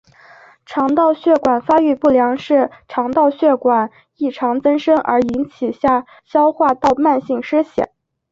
肠道血管发育不良是肠道血管异常增生而引起下消化道慢性失血。